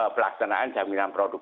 pelaksanaan jaminan produk